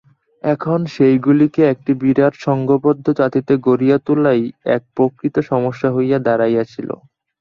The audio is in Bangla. এখন সেইগুলিকে একটি বিরাট সঙ্ঘবদ্ধ জাতিতে গড়িয়া তোলাই এক প্রকৃত সমস্যা হইয়া দাঁড়াইয়াছিল।